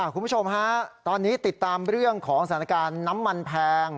คุณผู้ชมฮะตอนนี้ติดตามเรื่องของสถานการณ์น้ำมันแพง